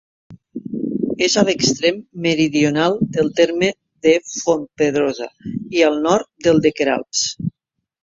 És a l'extrem meridional del terme de Fontpedrosa i al nord del de Queralbs.